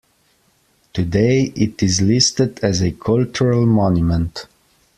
Today it is listed as a cultural monument.